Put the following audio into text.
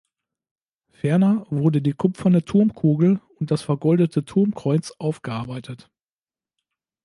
Ferner wurden die kupferne Turmkugel und das vergoldete Turmkreuz aufgearbeitet.